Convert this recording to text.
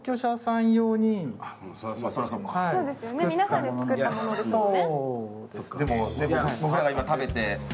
皆さんで作ったものですもんね。